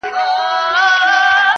چي د ژوند د رنګینیو سر اغاز دی,